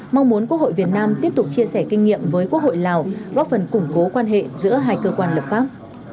mong muốn quốc hội việt nam tiếp tục chia sẻ kinh nghiệm với quốc hội lào góp phần củng cố quan hệ giữa hai cơ quan lập pháp